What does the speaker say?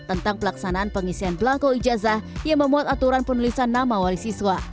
tentang pelaksanaan pengisian belangko ijazah yang memuat aturan penulisan nama wali siswa